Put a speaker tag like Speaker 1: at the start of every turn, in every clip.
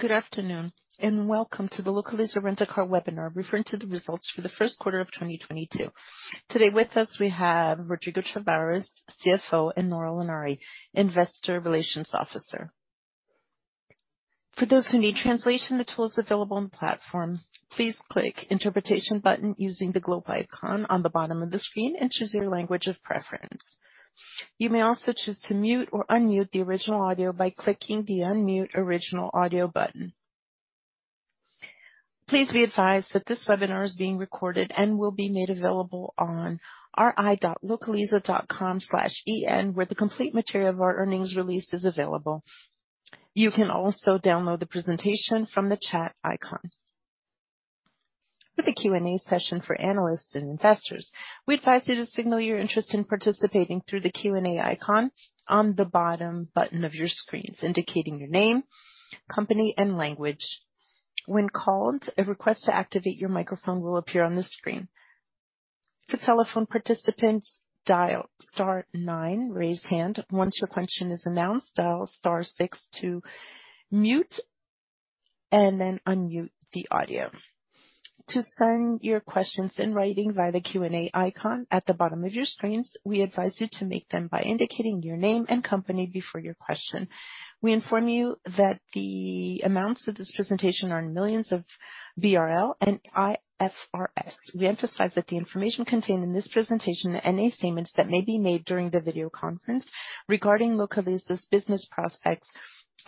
Speaker 1: Good afternoon, and welcome to the Localiza Rent a Car Webinar Referring to the Results for the First Quarter of 2022. Today with us we have Rodrigo Tavares, CFO, and Nora Lanari, Investor Relations Officer. For those who need translation, the tool is available on the platform. Please click interpretation button using the globe icon on the bottom of the screen and choose your language of preference. You may also choose to mute or unmute the original audio by clicking the unmute original audio button. Please be advised that this webinar is being recorded and will be made available on ri.localiza.com/en, where the complete material of our earnings release is available. You can also download the presentation from the chat icon. For the Q&A session for analysts and investors, we advise you to signal your interest in participating through the Q&A icon on the bottom button of your screens, indicating your name, company and language. When called, a request to activate your microphone will appear on the screen. For telephone participants, dial star nine, raise hand. Once your question is announced, dial star six to mute and then unmute the audio. To send your questions in writing via the Q&A icon at the bottom of your screens, we advise you to make them by indicating your name and company before your question. We inform you that the amounts of this presentation are in millions of BRL and IFRS. We emphasize that the information contained in this presentation and any statements that may be made during the video conference regarding Localiza's business prospects,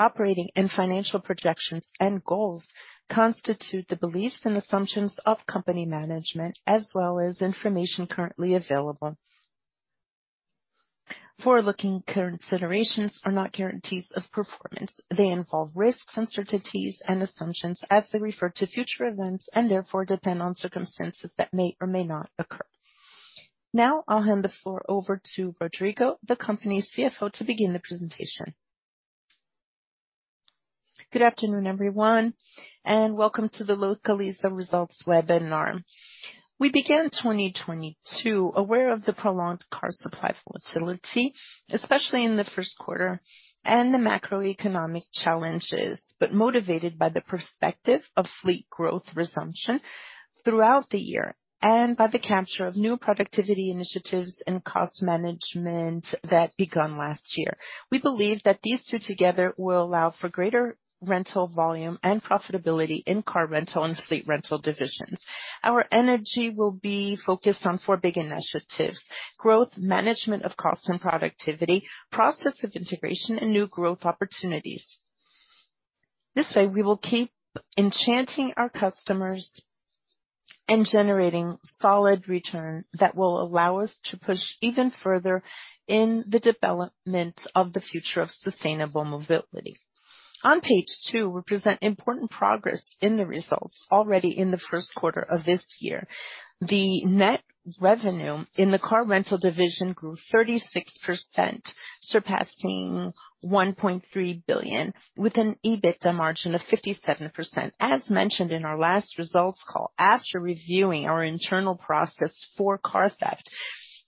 Speaker 1: operating and financial projections and goals constitute the beliefs and assumptions of company management, as well as information currently available. Forward-looking considerations are not guarantees of performance. They involve risks, uncertainties and assumptions as they refer to future events and therefore depend on circumstances that may or may not occur. Now I'll hand the floor over to Rodrigo, the company's CFO, to begin the presentation.
Speaker 2: Good afternoon, everyone, and welcome to the Localiza Results Webinar. We began 2022 aware of the prolonged car supply shortage, especially in the first quarter, and the macroeconomic challenges, but motivated by the perspective of fleet growth resumption throughout the year, and by the capture of new productivity initiatives and cost management that begun last year. We believe that these two together will allow for greater rental volume and profitability in car rental and fleet rental divisions. Our energy will be focused on four big initiatives, growth, management of cost and productivity, process of integration and new growth opportunities. This way, we will keep enchanting our customers and generating solid return that will allow us to push even further in the development of the future of sustainable mobility. On page two, we present important progress in the results already in the first quarter of this year. The net revenue in the car rental division grew 36%, surpassing 1.3 billion, with an EBITDA margin of 57%. As mentioned in our last results call, after reviewing our internal process for car theft,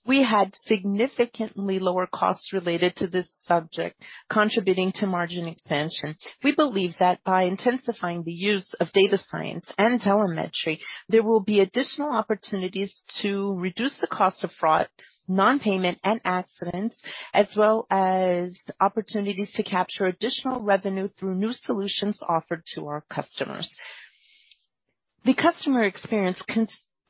Speaker 2: we had significantly lower costs related to this subject, contributing to margin expansion. We believe that by intensifying the use of data science and telemetry, there will be additional opportunities to reduce the cost of fraud, non-payment and accidents, as well as opportunities to capture additional revenue through new solutions offered to our customers. The customer experience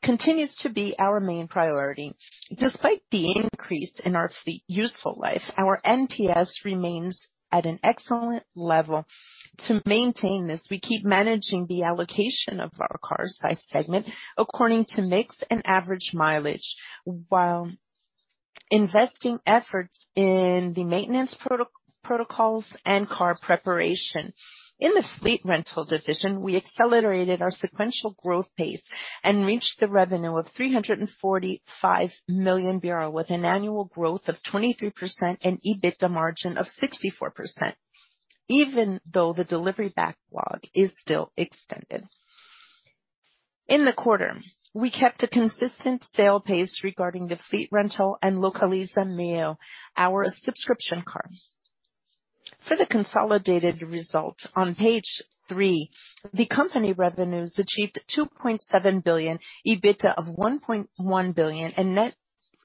Speaker 2: continues to be our main priority. Despite the increase in our fleet useful life, our NPS remains at an excellent level. To maintain this, we keep managing the allocation of our cars by segment according to mix and average mileage, while investing efforts in the maintenance protocols and car preparation. In the Fleet Rental division, we accelerated our sequential growth pace and reached the revenue of 345 million with an annual growth of 23% and EBITDA margin of 64%, even though the delivery backlog is still extended. In the quarter, we kept a consistent sale pace regarding the Fleet Rental and Localiza Meoo, our subscription car. For the consolidated results on page three, the company revenues achieved 2.7 billion, EBITDA of 1.1 billion, and net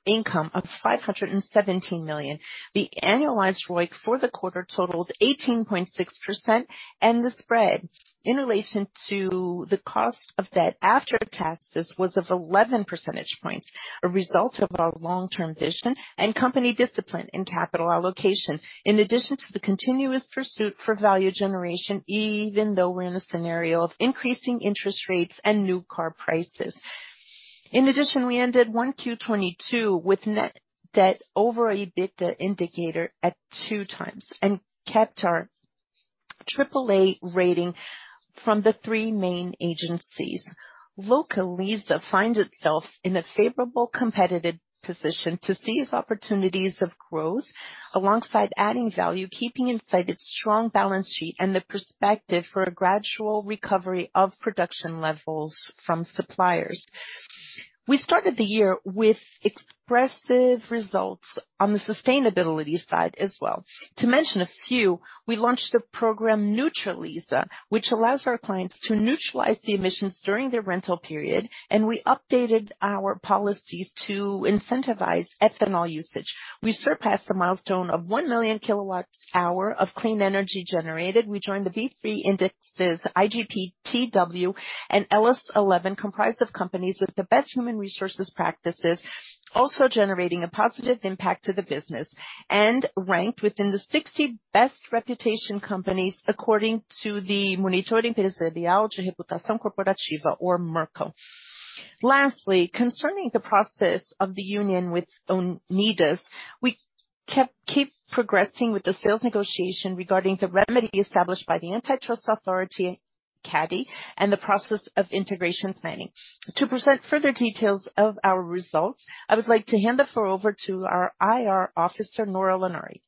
Speaker 2: income of 517 million. The annualized ROIC for the quarter totaled 18.6%, and the spread in relation to the cost of debt after taxes was of 11 percentage points, a result of our long-term vision and company discipline in capital allocation. In addition to the continuous pursuit for value generation, even though we're in a scenario of increasing interest rates and new car prices. In addition, we ended 1Q 2022 with net debt over EBITDA indicator at 2x and kept our AAA rating from the three main agencies. Localiza finds itself in a favorable competitive position to seize opportunities of growth alongside adding value, keeping in sight its strong balance sheet and the perspective for a gradual recovery of production levels from suppliers. We started the year with expressive results on the sustainability side as well. To mention a few, we launched a program, Neutraliza, which allows our clients to neutralize the emissions during their rental period, and we updated our policies to incentivize ethanol usage. We surpassed the milestone of 1 million kWh of clean energy generated. We joined the B3 indexes, [IGC, TW, and LS11], comprised of companies with the best human resources practices, also generating a positive impact to the business, and ranked within the 60 best reputation companies according to the Monitor Empresarial de Reputação Corporativa, or MERCO. Lastly, concerning the process of the union with Unidas, we keep progressing with the sales negotiation regarding the remedy established by the Antitrust Authority, CADE, and the process of integration planning. To present further details of our results, I would like to hand the floor over to our IR officer, Nora Lanari.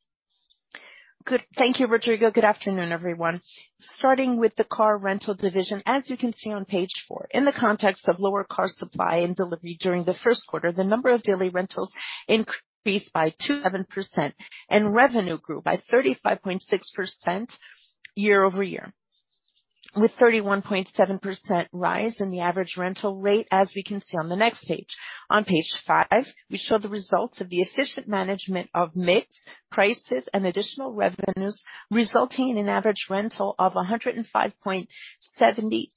Speaker 2: Good.
Speaker 3: Thank you, Rodrigo. Good afternoon, everyone. Starting with the car rental division, as you can see on page four, in the context of lower car supply and delivery during the first quarter, the number of daily rentals increased by 27%, and revenue grew by 35.6% year-over-year, with 31.7% rise in the average rental rate, as we can see on the next page. On page five, we show the results of the efficient management of mix, prices, and additional revenues, resulting in an average rental of 105.70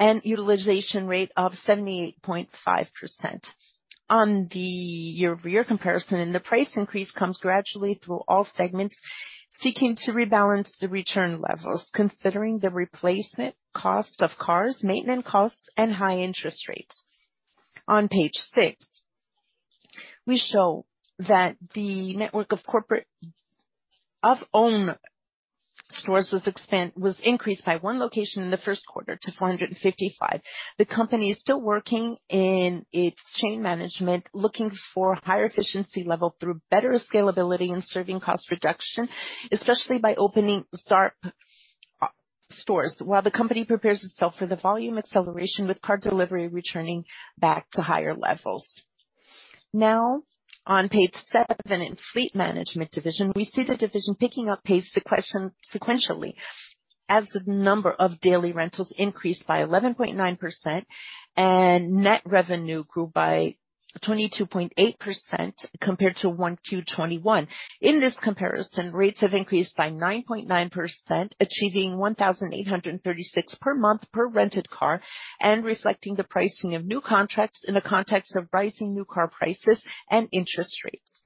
Speaker 3: and utilization rate of 78.5%. On the year-over-year comparison, the price increase comes gradually through all segments seeking to rebalance the return levels, considering the replacement cost of cars, maintenance costs, and high interest rates. On page six, we show that the network of own stores was increased by one location in the first quarter to 455. The company is still working in its chain management, looking for higher efficiency level through better scalability and service cost reduction, especially by opening Zarp stores, while the company prepares itself for the volume acceleration with car delivery returning back to higher levels. Now, on page seven, in Fleet Management division, we see the division picking up pace sequentially as the number of daily rentals increased by 11.9% and net revenue grew by 22.8% compared to 1Q 2021. In this comparison, rates have increased by 9.9%, achieving 1,836 per month per rented car and reflecting the pricing of new contracts in the context of rising new car prices and interest rates.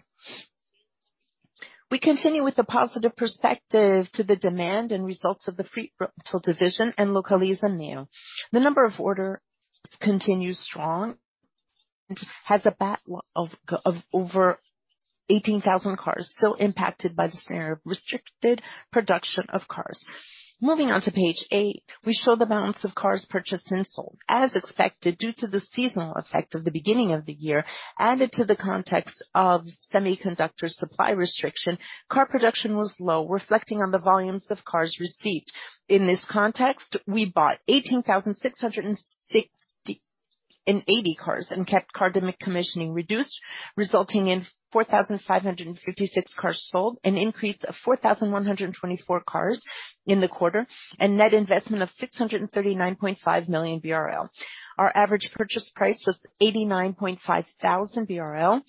Speaker 3: We continue with the positive perspective to the demand and results of the Fleet Rental division and Localiza Meoo. The number of orders continues strong. It has a backlog of over 18,000 cars, still impacted by the scenario of restricted production of cars. Moving on to page eight, we show the balance of cars purchased and sold. As expected, due to the seasonal effect of the beginning of the year, added to the context of semiconductor supply restriction, car production was low, reflecting on the volumes of cars received. In this context, we bought 18,668 cars and kept car decommissioning reduced, resulting in 4,556 cars sold, an increase of 4,124 cars in the quarter and net investment of 639.5 million BRL. Our average purchase price was 89,500 BRL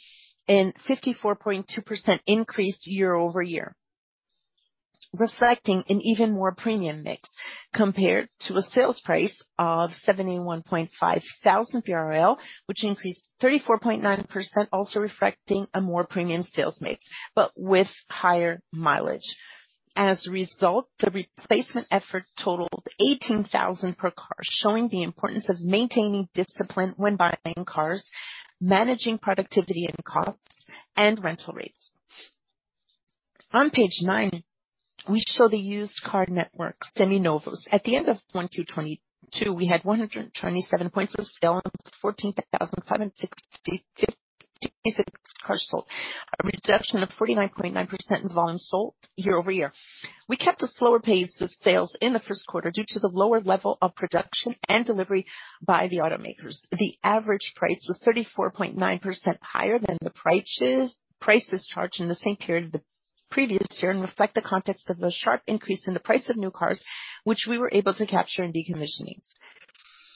Speaker 3: And 54.2% increased year-over-year, reflecting an even more premium mix compared to a sales price of 71,500, which increased 34.9%, also reflecting a more premium sales mix but with higher mileage. As a result, the replacement effort totaled 18,000 per car, showing the importance of maintaining discipline when buying cars, managing productivity and costs, and rental rates. On page nine, we show the used car network, Seminovos. At the end of 1Q 2022, we had 127 points of sale and 14,756 cars sold, a reduction of 49.9% in volume sold year-over-year. We kept a slower pace with sales in the first quarter due to the lower level of production and delivery by the automakers. The average price was 34.9% higher than the prices charged in the same period the previous year and reflect the context of a sharp increase in the price of new cars, which we were able to capture in decommissionings.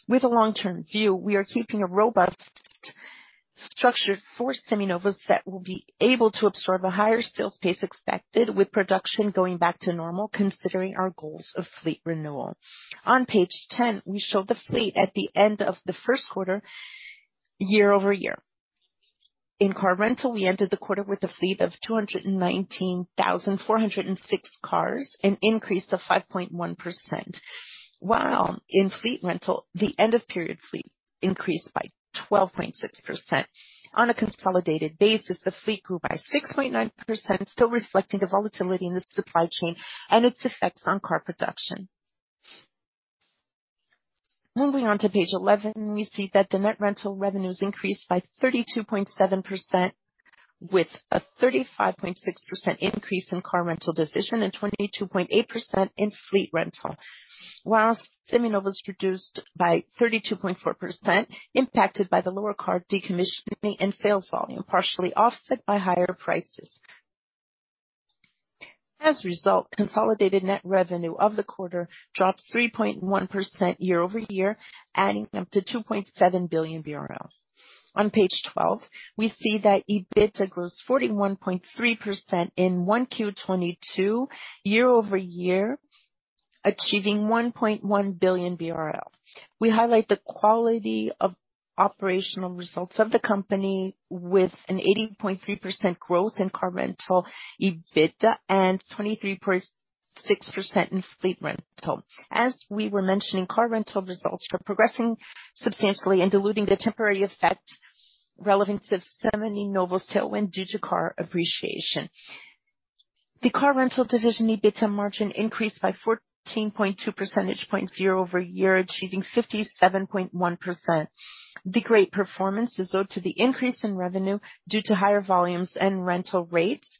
Speaker 3: With a long-term view, we are keeping a robust structure for Seminovos that will be able to absorb a higher sales pace expected with production going back to normal, considering our goals of fleet renewal. On page 10, we show the fleet at the end of the first quarter year-over-year. In car rental, we ended the quarter with a fleet of 219,406 cars, an increase of 5.1%, while in Fleet Rental, the end of period fleet increased by 12.6%. On a consolidated basis, the fleet grew by 6.9%, still reflecting the volatility in the supply chain and its effects on car production. Moving on to page 11, we see that the net rental revenues increased by 32.7%. With a 35.6% increase in Car Rental division and 22.8% in Fleet Rental. While Seminovos reduced by 32.4% impacted by the lower car decommissioning and sales volume, partially offset by higher prices. As a result, consolidated net revenue of the quarter dropped 3.1% year-over-year, adding up to 2.7 billion BRL. On page 12, we see that EBITDA grew 41.3% in 1Q 2022 year-over-year, achieving 1.1 billion BRL. We highlight the quality of operational results of the company with an 80.3% growth in Car Rental EBITDA and 23.6% in Fleet Rental. As we were mentioning, car rental results are progressing substantially and diluting the temporary effect relevant to Seminovos tailwind due to car appreciation. The car rental division EBITDA margin increased by 14.2 percentage points year-over-year, achieving 57.1%. The great performance is owed to the increase in revenue due to higher volumes and rental rates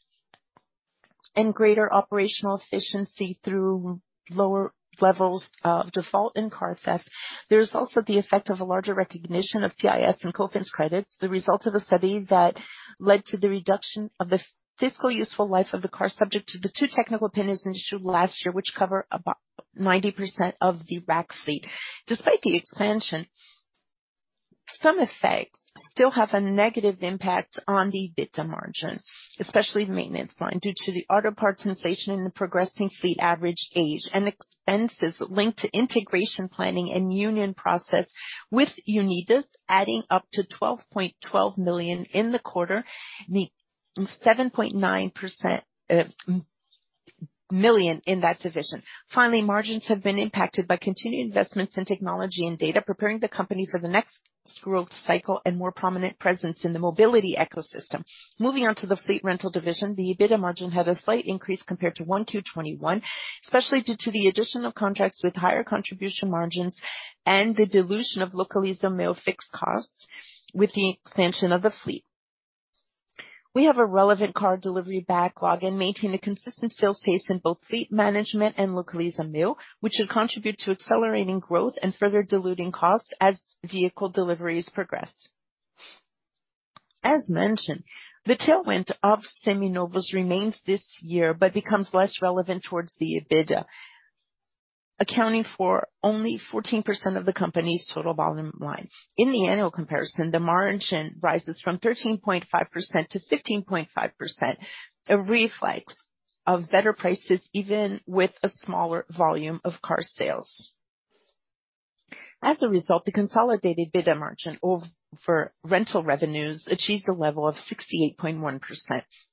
Speaker 3: and greater operational efficiency through lower levels of default and car theft. There's also the effect of a larger recognition of PIS and COFINS credits, the result of a study that led to the reduction of the fiscal useful life of the car subject to the two technical opinions issued last year, which cover about 90% of the RAC fleet. Despite the expansion, some effects still have a negative impact on the EBITDA margin, especially the maintenance line, due to the auto parts inflation and the progressing fleet average age and expenses linked to integration planning and union process, with Unidas adding up to 12.12 million in the quarter, the 7.9 million in that division. Finally, margins have been impacted by continued investments in technology and data, preparing the company for the next growth cycle and more prominent presence in the mobility ecosystem. Moving on to the Fleet Rental division, the EBITDA margin had a slight increase compared to 1Q 2021, especially due to the additional contracts with higher contribution margins and the dilution of Localiza's fixed costs with the expansion of the fleet. We have a relevant car delivery backlog and maintain a consistent sales pace in both Fleet Management and Localiza Meoo, which should contribute to accelerating growth and further diluting costs as vehicle deliveries progress. As mentioned, the tailwind of Seminovos remains this year but becomes less relevant towards the EBITDA, accounting for only 14% of the company's total volume line. In the annual comparison, the margin rises from 13.5% to 15.5%, a reflection of better prices even with a smaller volume of car sales. As a result, the consolidated EBITDA margin for rental revenues achieves a level of 68.1%.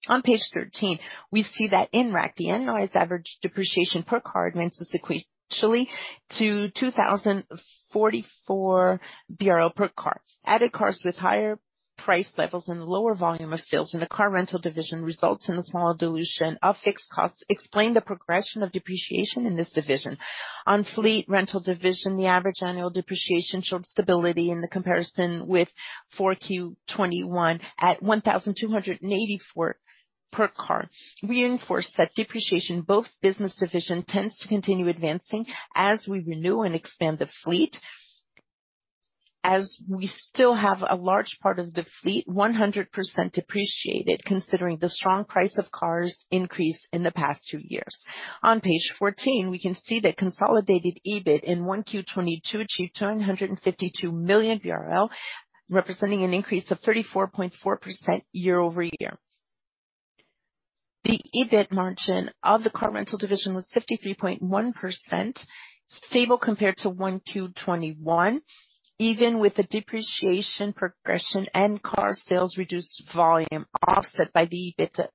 Speaker 3: On page 13, we see that in RAC, the annualized average depreciation per car advances sequentially to 2,044 per car. Added cars with higher price levels and lower volume of sales in the car rental division results in a smaller dilution of fixed costs, explain the progression of depreciation in this division. On Fleet Rental division, the average annual depreciation showed stability in the comparison with 4Q 2021 at 1,284 per car. We reinforce that depreciation, both business division tends to continue advancing as we renew and expand the fleet, as we still have a large part of the fleet 100% depreciated considering the strong price of cars increase in the past two years. On page 14, we can see that consolidated EBIT in 1Q 2022 achieved 252 million, representing an increase of 34.4% year-over-year. The EBIT margin of the car rental division was 53.1%, stable compared to 1Q 2021, even with the depreciation progression and car sales reduced volume offset by the EBITDA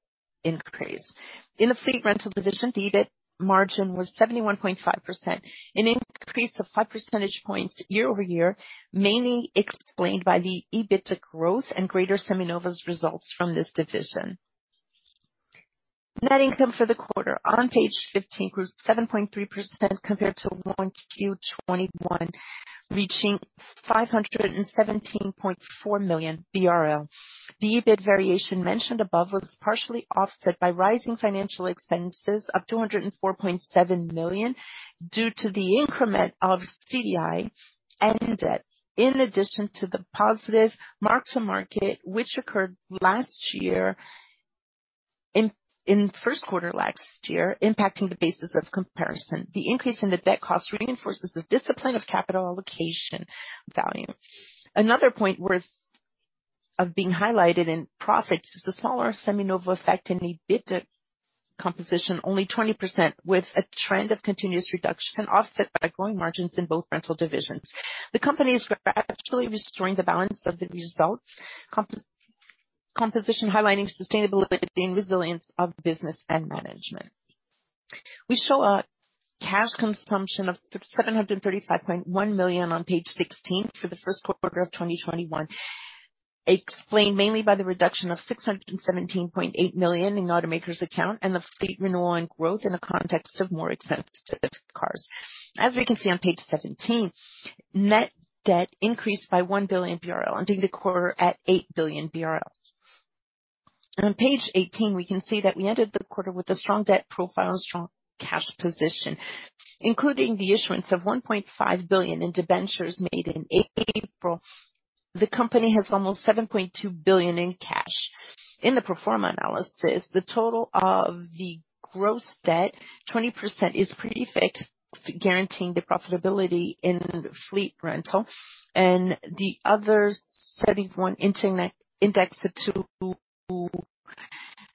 Speaker 3: increase. In the Fleet Rental division, the EBIT margin was 71.5%, an increase of 5 percentage points year-over-year, mainly explained by the EBITDA growth and greater Seminovos results from this division. Net income for the quarter on page 15 grew 7.3% compared to 1Q 2021, reaching 517.4 million BRL. The EBIT variation mentioned above was partially offset by rising financial expenses of 204.7 million due to the increment of CDI and debt, in addition to the positive mark-to-market which occurred last year in first quarter last year, impacting the basis of comparison. The increase in the debt cost reinforces the discipline of capital allocation value. Another point worth being highlighted in profits is the smaller Seminovos effect in EBITDA composition, only 20%, with a trend of continuous reduction offset by growing margins in both rental divisions. The company is gradually restoring the balance of the results composition, highlighting sustainability and resilience of business and management. We show a cash consumption of 735.1 million on page 16 for the first quarter of 2021, explained mainly by the reduction of 617.8 million in automaker's account and the fleet renewal and growth in the context of more expensive cars. As we can see on page 17, net debt increased by 1 billion BRL ending the quarter at 8 billion BRL. On page 18, we can see that we ended the quarter with a strong debt profile, strong cash position, including the issuance of 1.5 billion in debentures made in April. The company has almost 7.2 billion in cash. In the pro forma analysis, the total of the gross debt, 20% is pretty fixed, guaranteeing the profitability in Fleet Rental and the other 71% inter-indexed to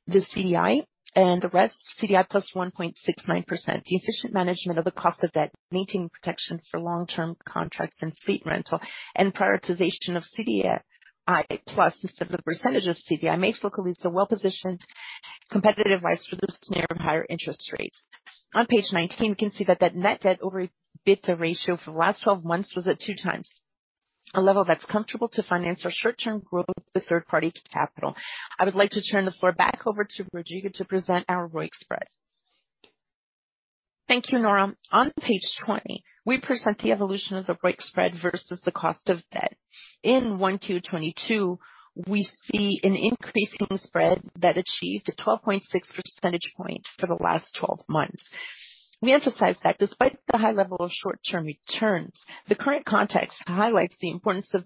Speaker 3: the CDI and the rest CDI plus 1.69%. The efficient management of the cost of debt, maintaining protections for long-term contracts and fleet rental and prioritization of CDI plus instead of the percentage of CDI makes Localiza well-positioned competitively for this near higher interest rates. On page 19, you can see that net debt over EBITDA ratio for the last 12 months was at 2x. A level that's comfortable to finance our short-term growth with third-party capital. I would like to turn the floor back over to Rodrigo to present our ROIC spread.
Speaker 2: Thank you, Nora. On page 20, we present the evolution of the ROIC spread versus the cost of debt. In 1Q 2022, we see an increasing spread that achieved a 12.6 percentage point for the last 12 months. We emphasize that despite the high level of short-term returns, the current context highlights the importance of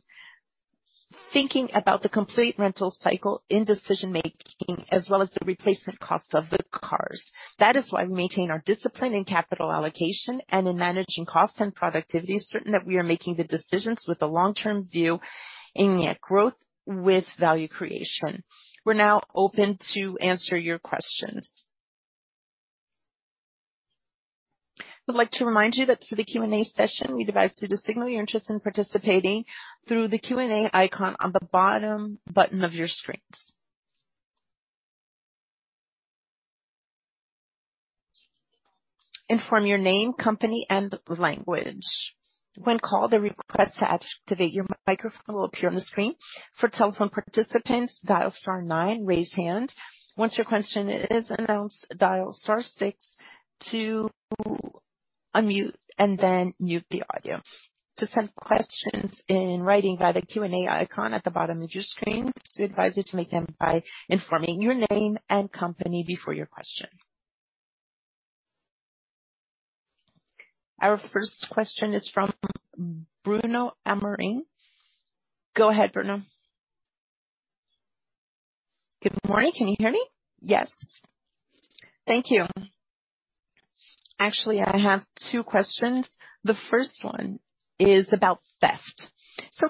Speaker 2: thinking about the complete rental cycle in decision-making as well as the replacement cost of the cars. That is why we maintain our discipline in capital allocation and in managing costs and productivity, certain that we are making the decisions with a long-term view aiming at growth with value creation. We're now open to answer your questions.
Speaker 1: I'd like to remind you that for the Q&A session, we advise you to signal your interest in participating through the Q&A icon on the bottom button of your screens. Inform your name, company and language. When called, a request to activate your microphone will appear on the screen. For telephone participants, dial star nine, raise hand. Once your question is announced, dial star six to unmute and then mute the audio. To send questions in writing via the Q&A icon at the bottom of your screen, we advise you to make them by informing your name and company before your question. Our first question is from Bruno Amorim. Go ahead, Bruno.
Speaker 4: Good morning. Can you hear me?
Speaker 1: Yes.
Speaker 4: Thank you. Actually, I have two questions. The first one is about theft.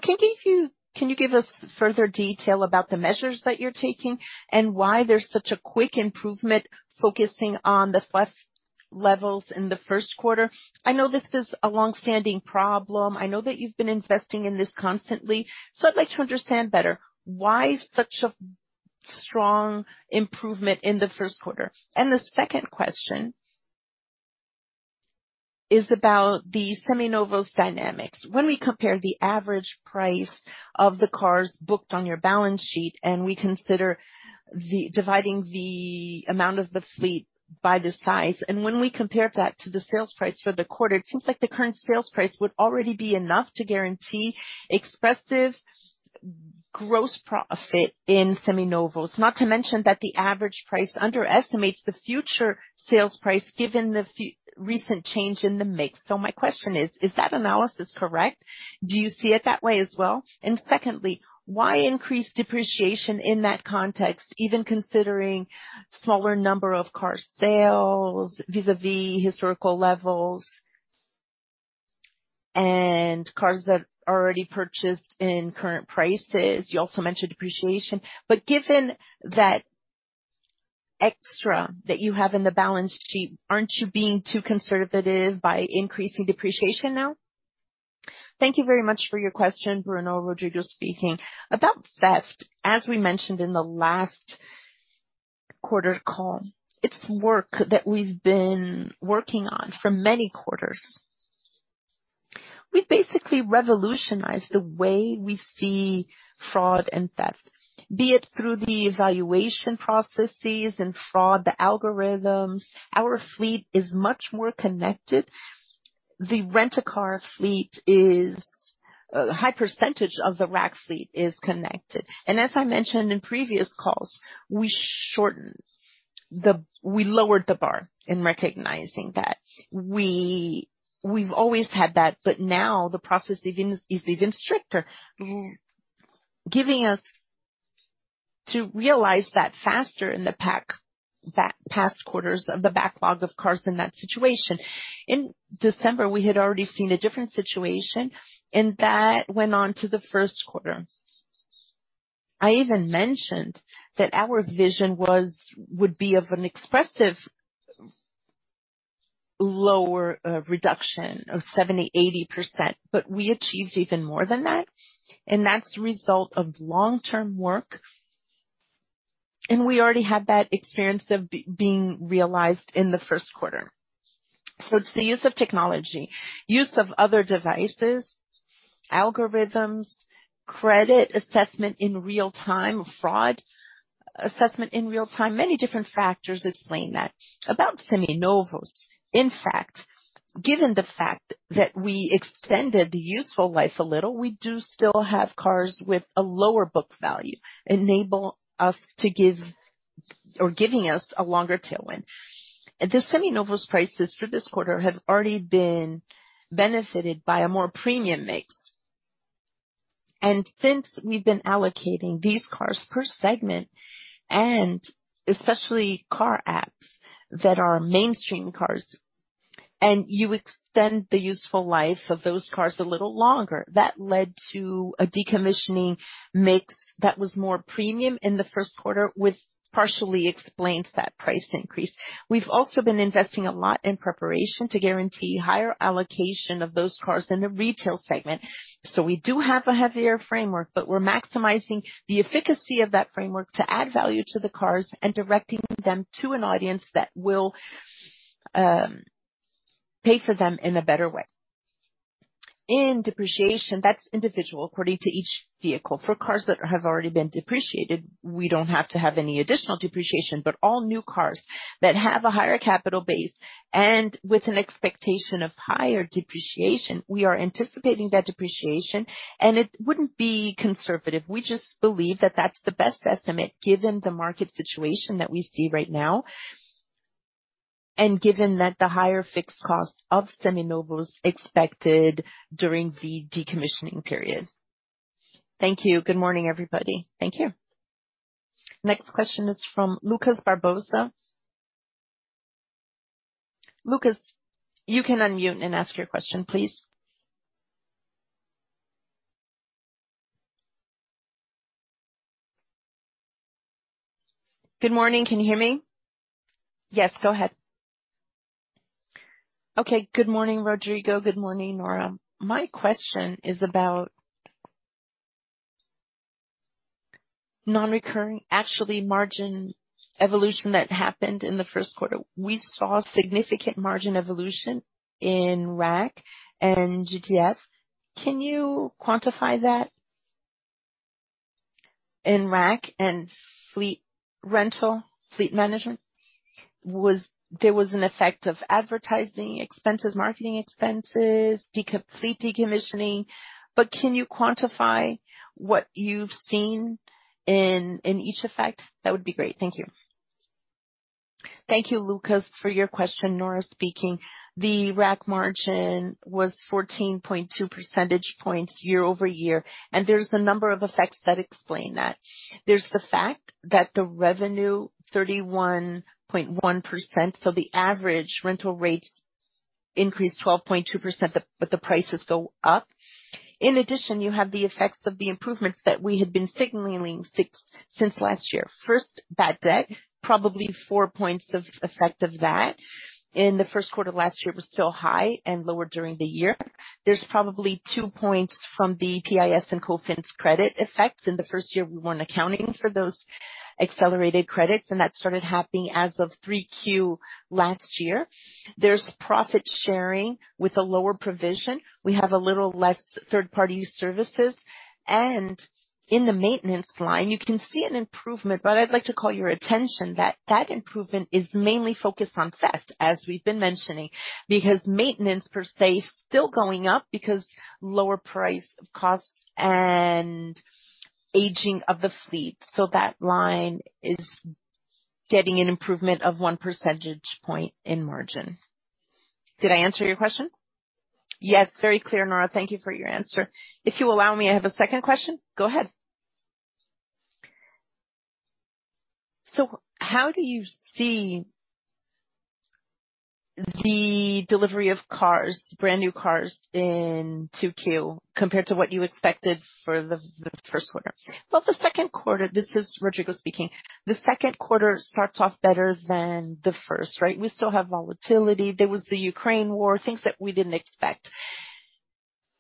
Speaker 4: Can you give us further detail about the measures that you're taking and why there's such a quick improvement, focusing on the theft levels in the first quarter? I know this is a long-standing problem. I know that you've been investing in this constantly. I'd like to understand better why such a strong improvement in the first quarter. The second question is about the Seminovos dynamics. When we compare the average price of the cars booked on your balance sheet, and we consider dividing the amount of the fleet by the size, and when we compare that to the sales price for the quarter, it seems like the current sales price would already be enough to guarantee expressive gross profit in Seminovos. Not to mention that the average price underestimates the future sales price given the recent change in the mix. My question is: Is that analysis correct? Do you see it that way as well? Secondly, why increase depreciation in that context, even considering smaller number of car sales vis-a-vis historical levels and cars that are already purchased in current prices? You also mentioned depreciation, but given that extra that you have in the balance sheet, aren't you being too conservative by increasing depreciation now?
Speaker 2: Thank you very much for your question, Bruno Amorim. Rodrigo Tavares speaking. About theft, as we mentioned in the last quarter call, it's work that we've been working on for many quarters. We basically revolutionized the way we see fraud and theft, be it through the evaluation processes in fraud, the algorithms. Our fleet is much more connected. The Rent a Car fleet is. A high percentage of the RAC fleet is connected. As I mentioned in previous calls, we lowered the bar in recognizing that. We've always had that, but now the process is even stricter, giving us to realize that faster in the past quarters of the backlog of cars in that situation. In December, we had already seen a different situation, and that went on to the first quarter. I even mentioned that our vision would be of an expressively lower reduction of 70%-80%, but we achieved even more than that, and that's the result of long-term work. We already had that experience of being realized in the first quarter. It's the use of technology, use of other devices, algorithms, credit assessment in real time, fraud assessment in real time. Many different factors explain that. About Seminovos. In fact, given the fact that we extended the useful life a little, we do still have cars with a lower book value, giving us a longer tailwind. The Seminovos prices for this quarter have already been benefited by a more premium mix. Since we've been allocating these cars per segment, and especially car apps that are mainstream cars, and you extend the useful life of those cars a little longer, that led to a decommissioning mix that was more premium in the first quarter, which partially explains that price increase. We've also been investing a lot in preparation to guarantee higher allocation of those cars in the retail segment. We do have a heavier framework, but we're maximizing the efficacy of that framework to add value to the cars and directing them to an audience that will pay for them in a better way. In depreciation, that's individual according to each vehicle. For cars that have already been depreciated, we don't have to have any additional depreciation. All new cars that have a higher capital base and with an expectation of higher depreciation, we are anticipating that depreciation, and it wouldn't be conservative. We just believe that that's the best estimate given the market situation that we see right now, and given that the higher fixed costs of Seminovos expected during the decommissioning period.
Speaker 4: Thank you. Good morning, everybody. Thank you.
Speaker 1: Next question is from Lucas Marquiori. Lucas, you can unmute and ask your question, please.
Speaker 5: Good morning. Can you hear me?
Speaker 1: Yes, go ahead.
Speaker 5: Okay. Good morning, Rodrigo. Good morning, Nora. My question is about actually margin evolution that happened in the first quarter. We saw significant margin evolution in RAC and GDF. Can you quantify that in RAC and Fleet Rental, Fleet Management? There was an effect of advertising expenses, marketing expenses, de-fleet decommissioning, but can you quantify what you've seen in each effect? That would be great. Thank you.
Speaker 3: Thank you, Lucas, for your question. Nora speaking. The RAC margin was 14.2 percentage points year-over-year, and there's a number of effects that explain that. There's the fact that the revenue 31.1%, so the average rental rates increased 12.2%, but the prices go up. In addition, you have the effects of the improvements that we had been signaling since last year. First, bad debt, probably 4 points of effect of that. In the first quarter last year was still high and lower during the year. There's probably 2 points from the PIS and COFINS credit effects. In the first year, we weren't accounting for those accelerated credits, and that started happening as of 3Q last year. There's profit sharing with a lower provision. We have a little less third-party services. In the maintenance line, you can see an improvement, but I'd like to call your attention that that improvement is mainly focused on theft, as we've been mentioning, because maintenance per se is still going up because lower price of costs and aging of the fleet. So that line is getting an improvement of 1 percentage point in margin. Did I answer your question?
Speaker 5: Yes. Very clear, Nora. Thank you for your answer. If you allow me, I have a second question.
Speaker 3: Go ahead.
Speaker 5: So how do you see the delivery of cars, brand-new cars in 2Q compared to what you expected for the first quarter? Well, the second quarter.
Speaker 2: This is Rodrigo speaking. The second quarter starts off better than the first, right? We still have volatility. There was the Ukraine war, things that we didn't expect.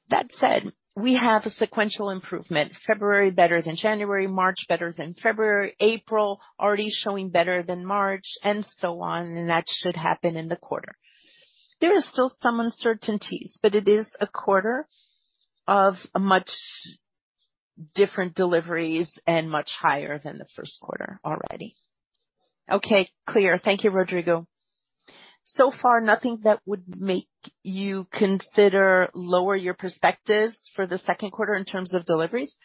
Speaker 2: That said, we have a sequential improvement. February better than January, March better than February, April already showing better than March, and so on, and that should happen in the quarter. There is still some uncertainties, but it is a quarter of a much different deliveries and much higher than the first quarter already.
Speaker 5: Okay. Clear. Thank you, Rodrigo. So far, nothing that would make you consider lowering your perspectives for the second quarter in terms of deliveries?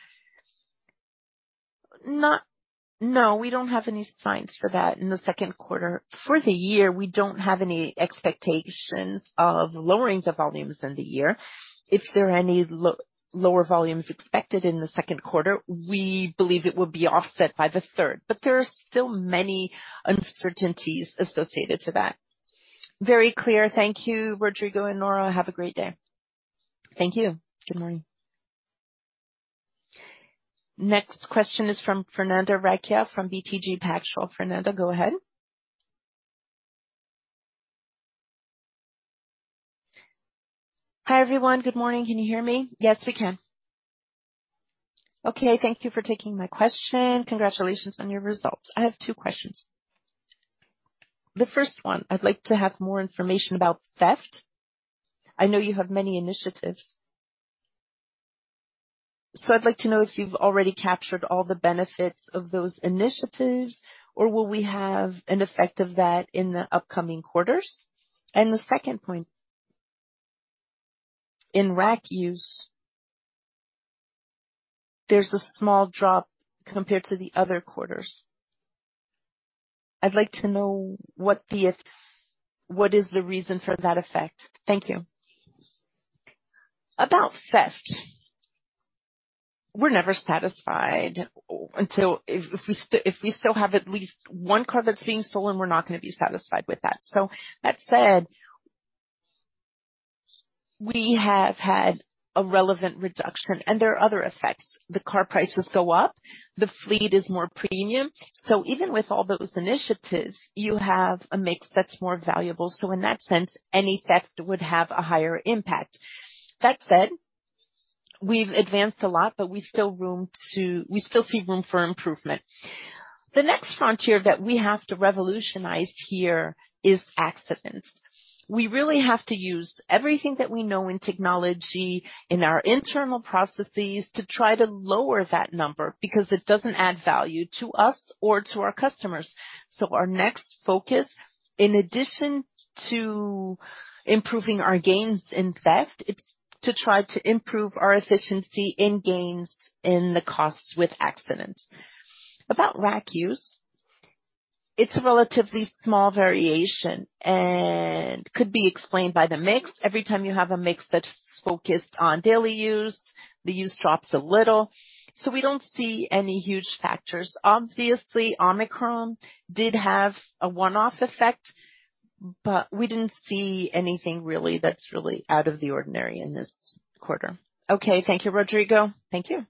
Speaker 2: No, we don't have any signs for that in the second quarter. For the year, we don't have any expectations of lowering the volumes in the year. If there are any lower volumes expected in the second quarter, we believe it will be offset by the third, but there are still many uncertainties associated to that.
Speaker 5: Very clear. Thank you, Rodrigo and Nora. Have a great day.
Speaker 2: Thank you. Good morning.
Speaker 1: Next question is from Fernanda Recchia, from BTG Pactual. Fernanda, go ahead.
Speaker 6: Hi, everyone. Good morning. Can you hear me?
Speaker 1: Yes, we can.
Speaker 6: Okay. Thank you for taking my question. Congratulations on your results. I have two questions. The first one, I'd like to have more information about theft. I know you have many initiatives. I'd like to know if you've already captured all the benefits of those initiatives or will we have an effect of that in the upcoming quarters? The second point. In RAC use there's a small drop compared to the other quarters. I'd like to know what the reason for that effect is. Thank you.
Speaker 2: About theft, we're never satisfied until if we still have at least one car that's being stolen, we're not gonna be satisfied with that. That said, we have had a relevant reduction and there are other effects. The car prices go up, the fleet is more premium. Even with all those initiatives, you have a mix that's more valuable. In that sense, any theft would have a higher impact. That said, we've advanced a lot, but we still see room for improvement. The next frontier that we have to revolutionize here is accidents. We really have to use everything that we know in technology, in our internal processes to try to lower that number because it doesn't add value to us or to our customers. Our next focus, in addition to improving our gains in theft, it's to try to improve our efficiency in gains in the costs with accidents. About RAC use, it's a relatively small variation and could be explained by the mix. Every time you have a mix that's focused on daily use, the use drops a little, so we don't see any huge factors. Obviously, Omicron did have a one-off effect, but we didn't see anything really that's really out of the ordinary in this quarter.
Speaker 6: Okay. Thank you, Rodrigo.
Speaker 2: Thank you.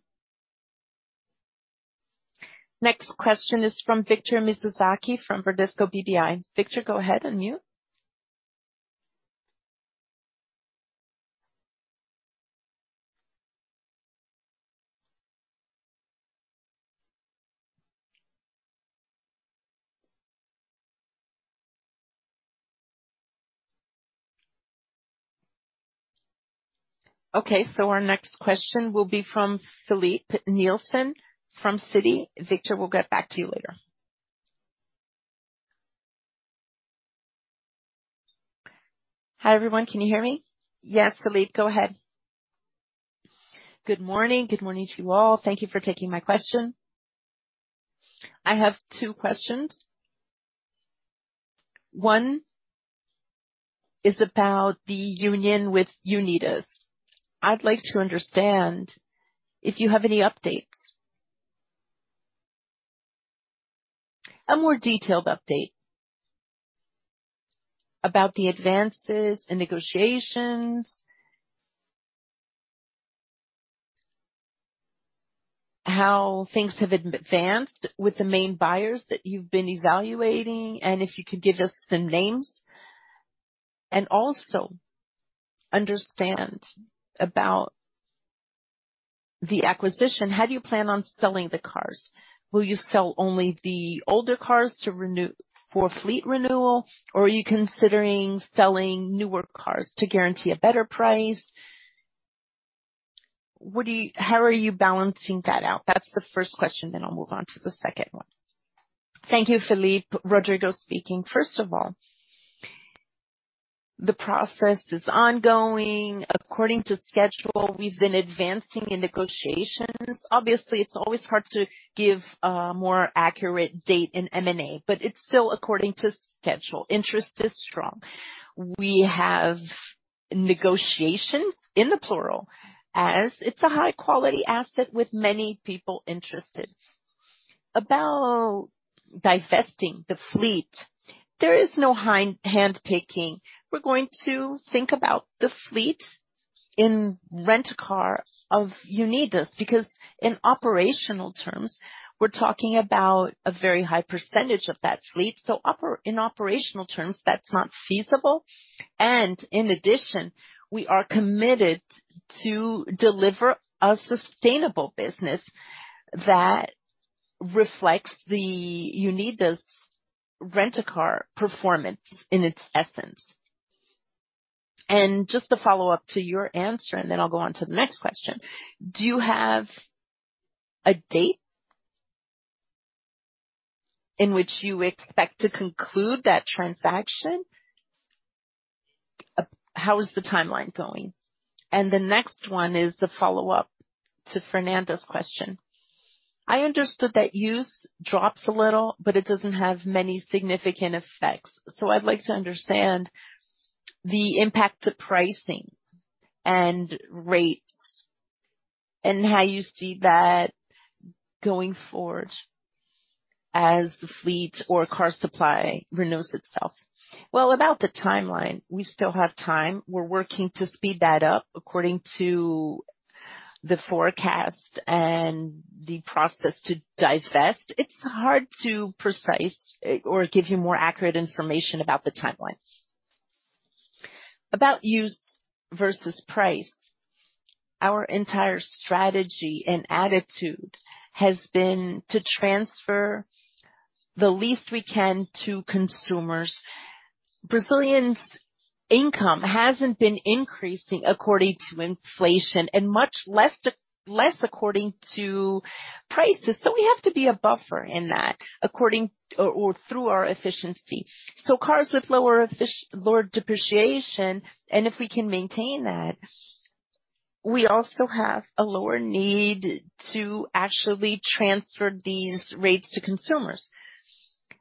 Speaker 1: Next question is from Victor Mizusaki, from Bradesco BBI. Victor, go ahead, unmute. Okay, so our next question will be from Filipe Ferreira from Citi. Victor, we'll get back to you later.
Speaker 7: Hi, everyone. Can you hear me?
Speaker 1: Yes, Filipe Ferreira, go ahead.
Speaker 7: Good morning. Good morning to you all. Thank you for taking my question. I have two questions. One is about the union with Unidas. I'd like to understand if you have any updates. A more detailed update about the advances in negotiations. How things have advanced with the main buyers that you've been evaluating, and if you could give us some names. Also understand about the acquisition. How do you plan on selling the cars? Will you sell only the older cars for fleet renewal, or are you considering selling newer cars to guarantee a better price? How are you balancing that out? That's the first question, then I'll move on to the second one.
Speaker 2: Thank you, Filipe. Rodrigo speaking. First of all, the process is ongoing. According to schedule, we've been advancing in negotiations. Obviously, it's always hard to give a more accurate date in M&A, but it's still according to schedule. Interest is strong. We have negotiations in the plural as it's a high quality asset with many people interested. About divesting the fleet, there is no hand-picking. We're going to think about the fleet in Rent a Car of Unidas, because in operational terms we're talking about a very high percentage of that fleet. In operational terms, that's not feasible. In addition, we are committed to deliver a sustainable business that reflects the Unidas Rent a Car performance in its essence.
Speaker 7: Just to follow-up to your answer, then I'll go on to the next question. Do you have a date in which you expect to conclude that transaction? How is the timeline going? The next one is a follow-up to Fernanda's question. I understood that use drops a little, but it doesn't have many significant effects, so I'd like to understand the impact to pricing and rates and how you see that going forward as the fleet or car supply renews itself.
Speaker 2: Well, about the timeline, we still have time. We're working to speed that up according to the forecast and the process to divest. It's hard to precise or give you more accurate information about the timeline. About use versus price. Our entire strategy and attitude has been to transfer the least we can to consumers. Brazilians' income hasn't been increasing according to inflation and much less according to prices. We have to be a buffer in that, according or through our efficiency. Cars with lower depreciation, and if we can maintain that, we also have a lower need to actually transfer these rates to consumers.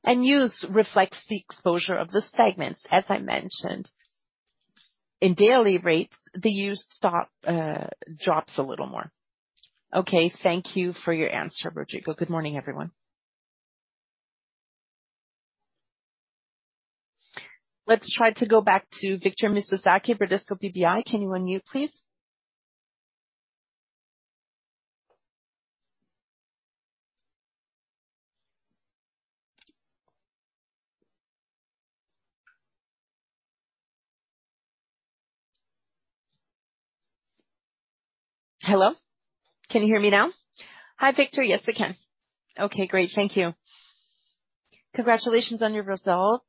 Speaker 2: Used reflects the exposure of the segments, as I mentioned. In daily rates, the used stock drops a little more.
Speaker 7: Okay, thank you for your answer, Rodrigo. Good morning, everyone.
Speaker 1: Let's try to go back to Victor Mizusaki, Bradesco BBI. Can you unmute, please?
Speaker 8: Hello. Can you hear me now?
Speaker 1: Hi, Victor. Yes, we can.
Speaker 8: Okay, great. Thank you. Congratulations on your results.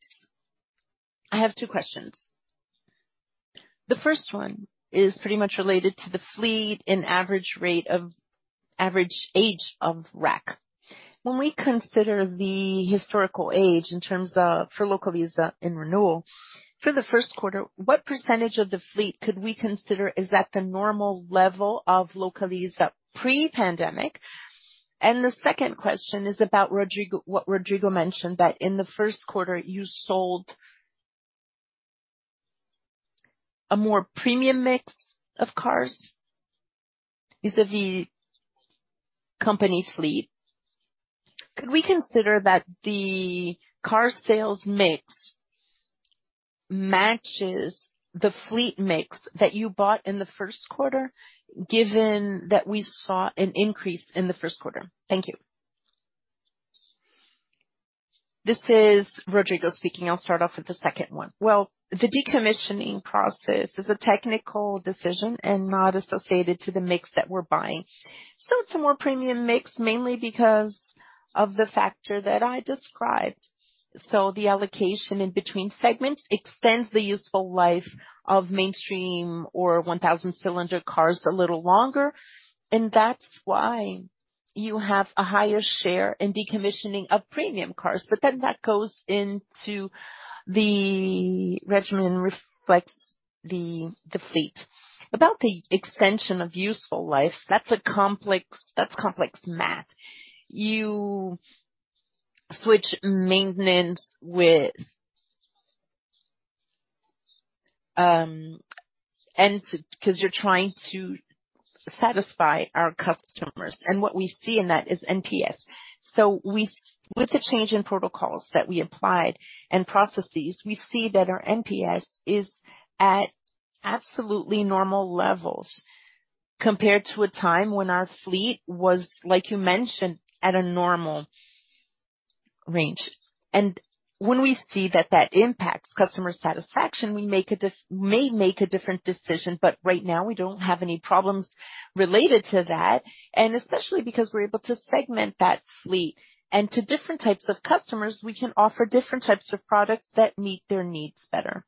Speaker 8: I have two questions. The first one is pretty much related to the fleet and average age of RAC. When we consider the historical age in terms of for Localiza in renewal for the first quarter, what percentage of the fleet could we consider is at the normal level of Localiza pre-pandemic? The second question is about what Rodrigo mentioned, that in the first quarter you sold a more premium mix of cars vis-a-vis company fleet. Could we consider that the car sales mix matches the fleet mix that you bought in the first quarter, given that we saw an increase in the first quarter? Thank you.
Speaker 2: This is Rodrigo speaking. I'll start off with the second one. Well, the decommissioning process is a technical decision and not associated to the mix that we're buying. So it's a more premium mix mainly because of the factor that I described. The allocation in between segments extends the useful life of mainstream or 1,000-cc cars a little longer, and that's why you have a higher share in decommissioning of premium cars. That goes into the regimen and reflects the fleet. About the extension of useful life, that's complex math. You switch maintenance with, because you're trying to satisfy our customers. What we see in that is NPS. With the change in protocols that we applied and processes, we see that our NPS is at absolutely normal levels compared to a time when our fleet was, like you mentioned, at a normal range. When we see that that impacts customer satisfaction, we may make a different decision. Right now we don't have any problems related to that, and especially because we're able to segment that fleet. To different types of customers, we can offer different types of products that meet their needs better.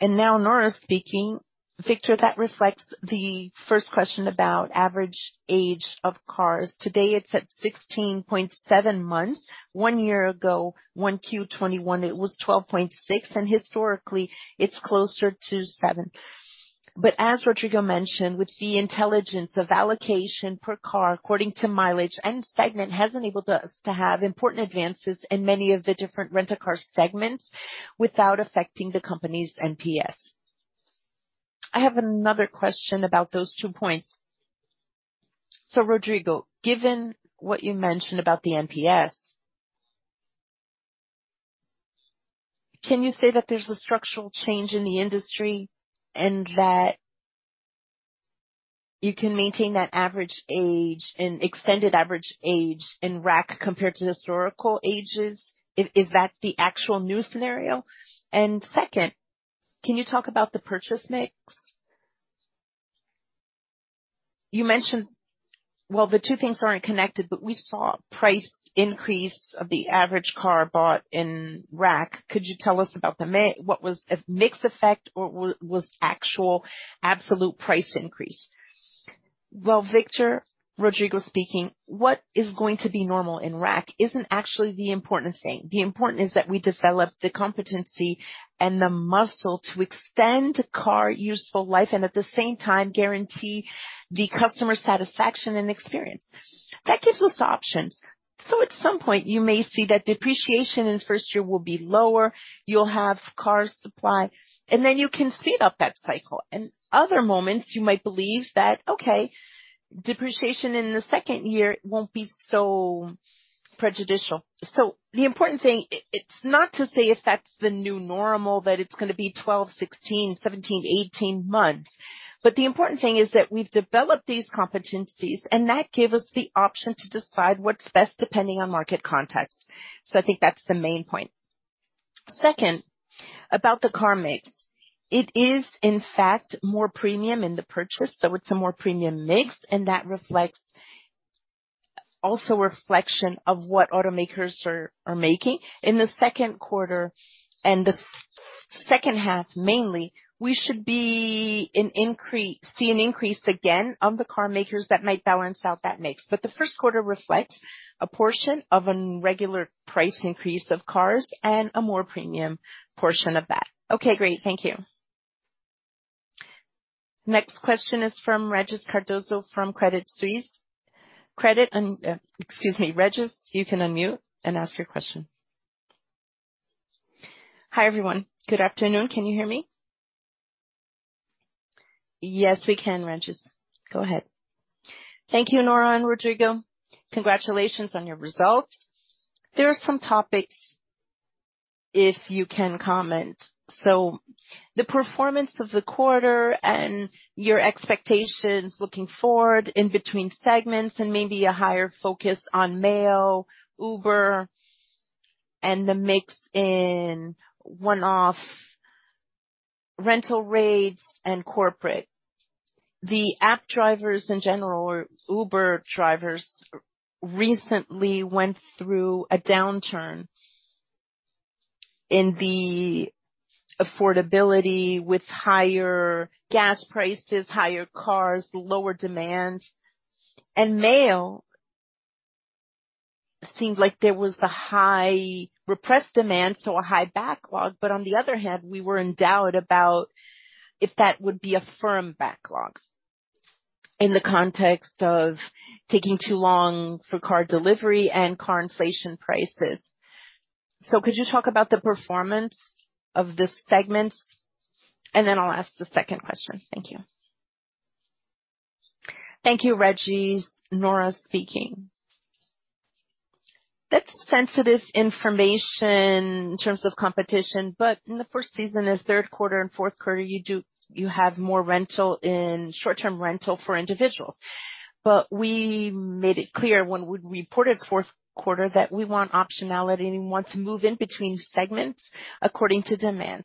Speaker 3: Now Nora Lanari speaking. Victor Mizusaki, that reflects the first question about average age of cars. Today it's at 16.7 months. One year ago, 1Q 2021, it was 12.6, and historically it's closer to 7. As Rodrigo Tavares mentioned, with the intelligence of allocation per car according to mileage and segment has enabled us to have important advances in many of the different Rent-A-Car segments without affecting the company's NPS.
Speaker 8: I have another question about those two points. Rodrigo Tavares, given what you mentioned about the NPS. Can you say that there's a structural change in the industry and that you can maintain that average age and extended average age in RAC compared to historical ages? Is that the actual new scenario? Second, can you talk about the purchase mix? You mentioned. Well, the two things aren't connected, but we saw price increase of the average car bought in RAC. Could you tell us about what was a mix effect or was actual absolute price increase?
Speaker 2: Well, Victor, Rodrigo speaking. What is going to be normal in RAC isn't actually the important thing. The important is that we develop the competency and the muscle to extend car useful life and at the same time guarantee the customer satisfaction and experience. That gives us options. At some point you may see that depreciation in first year will be lower, you'll have car supply, and then you can speed up that cycle. Other moments you might believe that, okay, depreciation in the second year won't be so prejudicial. The important thing, it's not to say if that's the new normal, that it's gonna be 12, 16, 17, 18 months. The important thing is that we've developed these competencies and that give us the option to decide what's best depending on market context. I think that's the main point. Second, about the car mix. It is in fact more premium in the purchase, so it's a more premium mix and that reflects. Also, reflection of what automakers are making. In the second quarter and the second half mainly, we should see an increase again of the carmakers that might balance out that mix. The first quarter reflects a portion of a regular price increase of cars and a more premium portion of that.
Speaker 8: Okay, great. Thank you.
Speaker 1: Next question is from Régis Cardoso from Credit Suisse. Excuse me, Régis, you can unmute and ask your question.
Speaker 9: Hi, everyone. Good afternoon. Can you hear me?
Speaker 1: Yes, we can, Régis. Go ahead.
Speaker 9: Thank you, Nora and Rodrigo. Congratulations on your results. There are some topics if you can comment. The performance of the quarter and your expectations looking forward in between segments and maybe a higher focus on Meoo, Uber, and the mix in one-off rental rates and corporate. The app drivers in general or Uber drivers recently went through a downturn in the affordability with higher gas prices, higher cars, lower demand, and Meoo seemed like there was a high repressed demand, so a high backlog. On the other hand, we were in doubt about if that would be a firm backlog in the context of taking too long for car delivery and car inflation prices. Could you talk about the performance of these segments? Then I'll ask the second question. Thank you.
Speaker 3: Thank you, Régis. Nora speaking. That's sensitive information in terms of competition, in the first semester, the third quarter and fourth quarter, you have more rental in short-term rental for individuals. We made it clear when we reported fourth quarter that we want optionality and we want to move in between segments according to demand.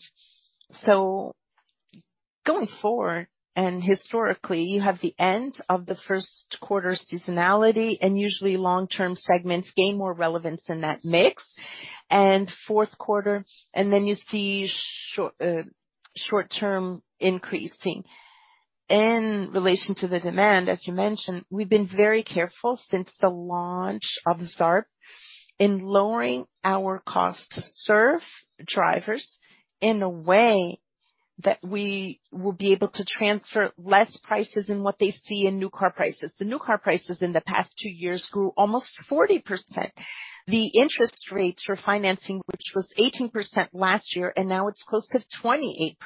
Speaker 3: Going forward, and historically, you have the end of the first quarter seasonality, and usually long-term segments gain more relevance in that mix. Fourth quarter. You see short-term increasing. In relation to the demand, as you mentioned, we've been very careful since the launch of Zarp in lowering our cost to serve drivers in a way that we will be able to transfer less prices in what they see in new car prices. The new car prices in the past two years grew almost 40%. The interest rates for financing, which was 18% last year, and now it's close to 28%.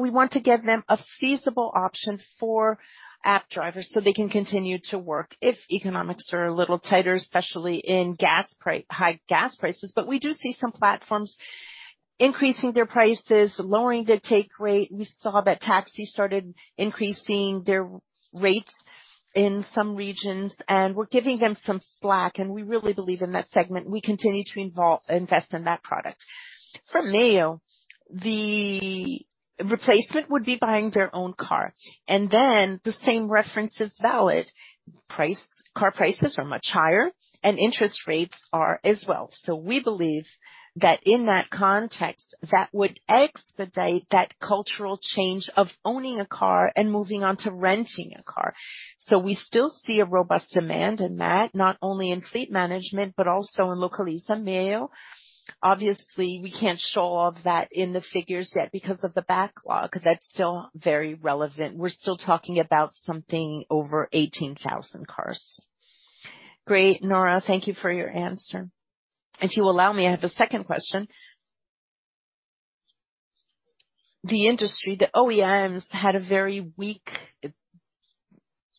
Speaker 3: We want to give them a feasible option for app drivers so they can continue to work if economics are a little tighter, especially in high gas prices. We do see some platforms increasing their prices, lowering their take rate. We saw that taxi started increasing their rates in some regions, and we're giving them some slack, and we really believe in that segment. We continue to invest in that product. For Meoo, the replacement would be buying their own car. Then the same reference is valid. Car prices are much higher and interest rates are as well. We believe that in that context, that would expedite that cultural change of owning a car and moving on to renting a car. We still see a robust demand in that, not only in Fleet Management but also in Localiza Meoo. Obviously, we can't show all of that in the figures yet because of the backlog. That's still very relevant. We're still talking about something over 18,000 cars.
Speaker 9: Great, Nora. Thank you for your answer. If you allow me, I have a second question. The industry, the OEMs, had a very weak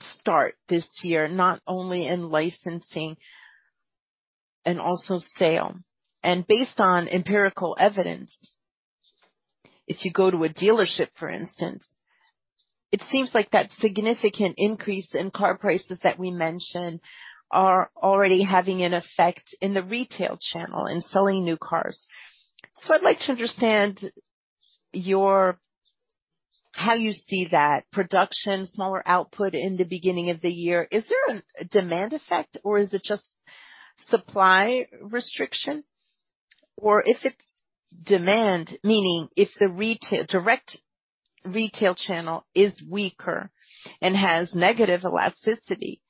Speaker 9: start this year, not only in licensing and also sale. Based on empirical evidence, if you go to a dealership, for instance, it seems like that significant increase in car prices that we mentioned are already having an effect in the retail channel in selling new cars. I'd like to understand your, how you see that production, smaller output in the beginning of the year. Is there a demand effect, or is it just supply restriction? Or if it's demand, meaning if the retail, direct retail channel is weaker and has negative elasticity,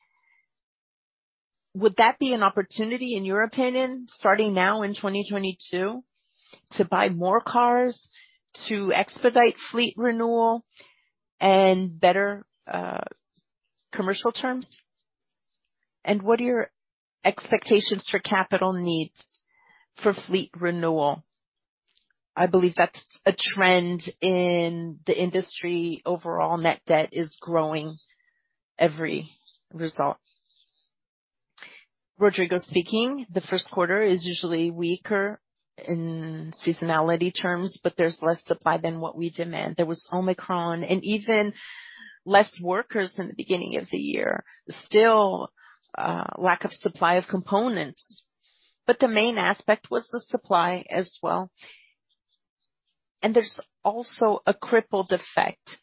Speaker 9: would that be an opportunity, in your opinion, starting now in 2022, to buy more cars, to expedite fleet renewal and better commercial terms? What are your expectations for capital needs for fleet renewal? I believe that's a trend in the industry. Overall net debt is growing every result.
Speaker 2: Rodrigo Tavares speaking. The first quarter is usually weaker in seasonality terms, but there's less supply than what we demand. There was Omicron and even less workers in the beginning of the year. Still, lack of supply of components. But the main aspect was the supply as well. There's also a crippled effect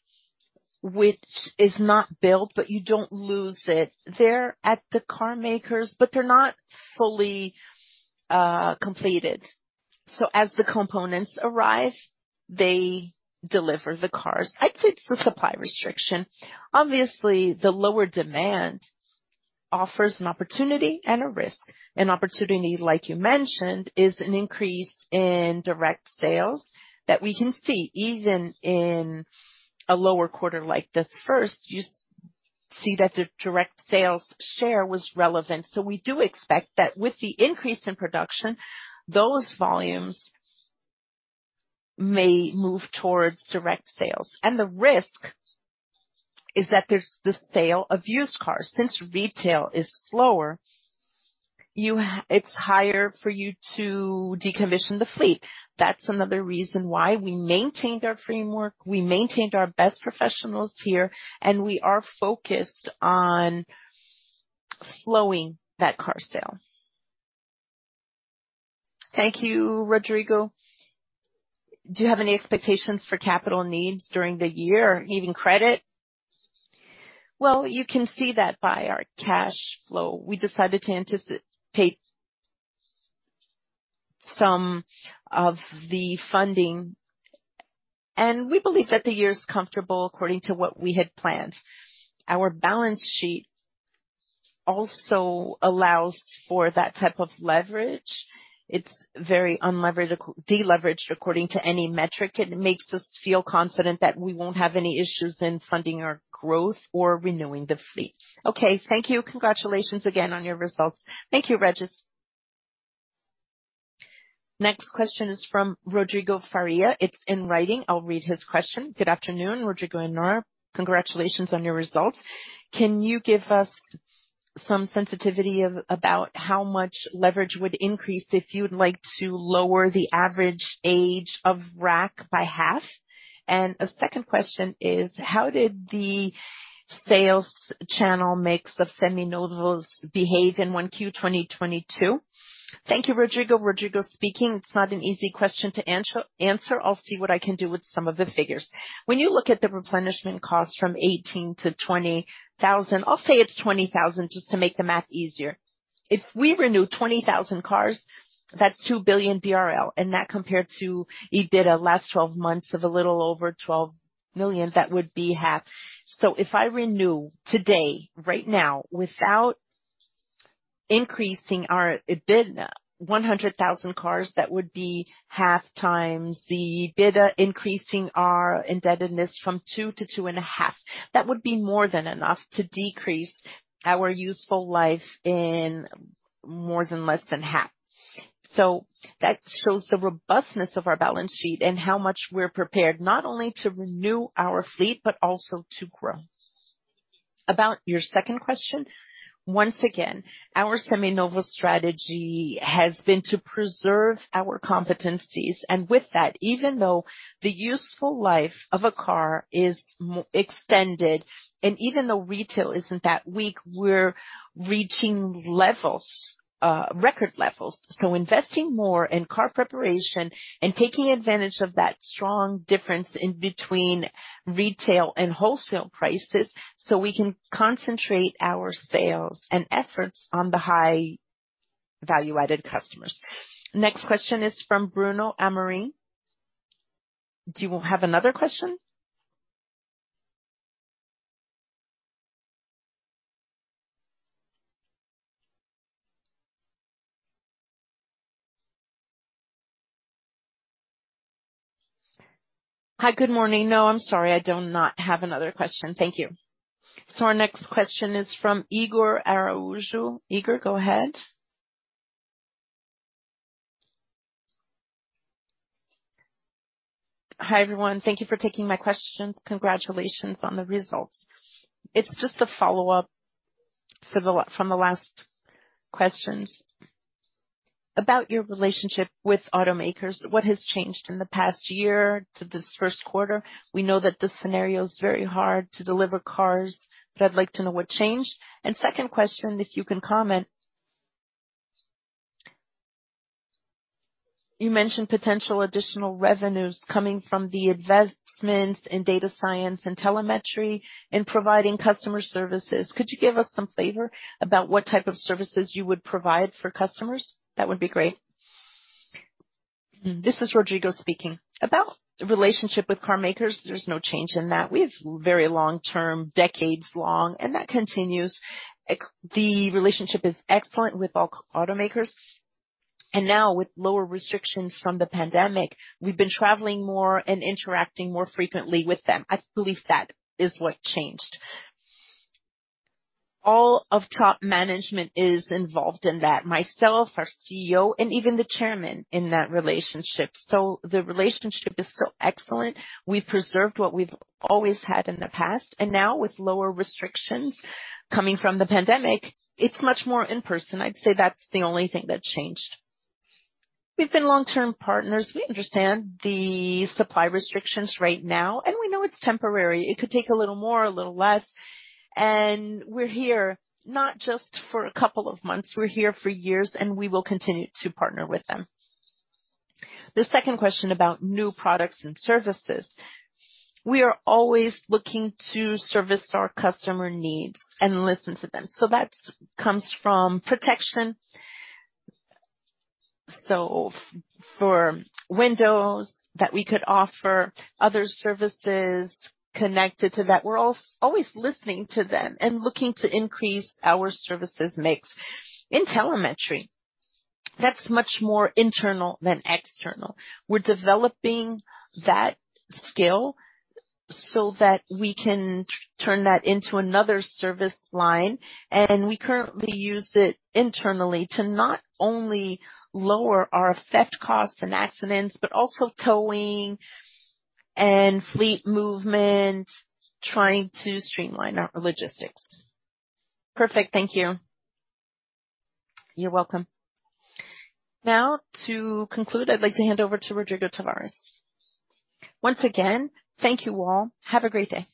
Speaker 2: which is not built, but you don't lose it. They're at the car makers, but they're not fully completed. So as the components arrive, they deliver the cars. I'd say it's a supply restriction. Obviously, the lower demand offers an opportunity and a risk. An opportunity, like you mentioned, is an increase in direct sales that we can see even in a lower quarter like the first. You see that the direct sales share was relevant. We do expect that with the increase in production, those volumes may move towards direct sales. The risk is that there's the sale of used cars. Since retail is slower, it's higher for you to decommission the fleet. That's another reason why we maintained our framework. We maintained our best professionals here, and we are focused on flowing that car sale.
Speaker 9: Thank you, Rodrigo. Do you have any expectations for capital needs during the year, even credit?
Speaker 2: Well, you can see that by our cash flow. We decided to anticipate some of the funding, and we believe that the year is comfortable according to what we had planned. Our balance sheet also allows for that type of leverage. It's very unleveraged, deleveraged according to any metric. It makes us feel confident that we won't have any issues in funding our growth or renewing the fleet.
Speaker 9: Okay. Thank you. Congratulations again on your results.
Speaker 2: Thank you, Régis.
Speaker 1: Next question is from Rodrigo Faria. It's in writing. I'll read his question. Good afternoon, Rodrigo and Nora. Congratulations on your results. Can you give us some sensitivity about how much leverage would increase if you'd like to lower the average age of RAC by half? And a second question is how did the sales channel mix of Seminovos behave in 1Q 2022? Thank you, Rodrigo.
Speaker 2: Rodrigo speaking. It's not an easy question to answer. I'll see what I can do with some of the figures. When you look at the replenishment cost from 18,000-20,000, I'll say it's 20,000 just to make the math easier. If we renew 20,000 cars, that's 2 billion BRL, and that compared to EBITDA last 12 months of a little over 12 million, that would be half. If I renew today, right now, without increasing our EBITDA 100,000 cars, that would be 0.5x The EBITDA, increasing our indebtedness from 2x to 2.5x. That would be more than enough to decrease our useful life in more than less than half. That shows the robustness of our balance sheet and how much we're prepared not only to renew our fleet, but also to grow. About your second question. Once again, our Seminovos strategy has been to preserve our competencies. With that, even though the useful life of a car is extended, and even though retail isn't that weak, we're reaching levels, record levels. Investing more in car preparation and taking advantage of that strong difference in between retail and wholesale prices, so we can concentrate our sales and efforts on the high value-added customers.
Speaker 1: Next question is from Bruno Amorim. Do you have another question?
Speaker 4: Hi. Good morning. No, I'm sorry, I do not have another question. Thank you.
Speaker 1: Our next question is from [Heger Araujo]. [Heger], go ahead.
Speaker 10: Hi, everyone. Thank you for taking my questions. Congratulations on the results. It's just a follow-up from the last questions. About your relationship with automakers, what has changed in the past year to this first quarter? We know that the scenario is very hard to deliver cars, but I'd like to know what changed. Second question, if you can comment. You mentioned potential additional revenues coming from the investments in data science and telemetry in providing customer services. Could you give us some flavor about what type of services you would provide for customers? That would be great.
Speaker 2: This is Rodrigo speaking. About relationship with car makers, there's no change in that. We have very long-term, decades-long, and that continues. The relationship is excellent with all automakers, and now with lower restrictions from the pandemic, we've been traveling more and interacting more frequently with them. I believe that is what changed. All of top management is involved in that. Myself, our CEO, and even the Chairman in that relationship. The relationship is still excellent. We've preserved what we've always had in the past, and now with lower restrictions coming from the pandemic, it's much more in person. I'd say that's the only thing that changed. We've been long-term partners. We understand the supply restrictions right now, and we know it's temporary. It could take a little more, a little less, and we're here not just for a couple of months. We're here for years, and we will continue to partner with them. The second question about new products and services. We are always looking to service our customer needs and listen to them. So that comes from protection. So for windows that we could offer, other services connected to that, we're always listening to them and looking to increase our services mix. In telemetry, that's much more internal than external. We're developing that skill so that we can turn that into another service line. We currently use it internally to not only lower our affect costs from accidents, but also towing and fleet movement, trying to streamline our logistics.
Speaker 10: Perfect. Thank you.
Speaker 2: You're welcome.
Speaker 1: Now to conclude, I'd like to hand over to Rodrigo Tavares.
Speaker 2: Once again, thank you, all. Have a great day.